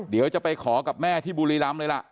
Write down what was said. เดี๋ยวจะไปขอกับแม่ที่บุรีรำเลยล่ะ